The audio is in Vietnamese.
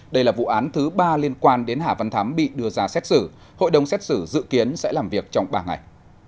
đây là vụ án thứ ba liên quan đến hà văn thắm bị đưa ra xét xử hội đồng xét xử dự kiến sẽ làm việc trong ba ngày